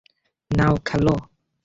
নাও, খোলো।